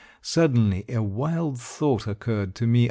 Suddenly a wild thought occurred to me.